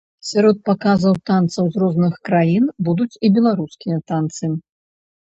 Сярод паказаў танцаў з розных краін будуць і беларускія танцы.